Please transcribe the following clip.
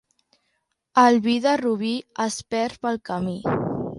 El vi de Rubí es perd pel camí.